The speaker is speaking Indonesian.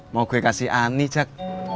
mau gue kasih ani cek